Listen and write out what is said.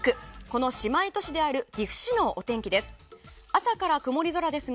この姉妹都市である岐阜市のお天気です。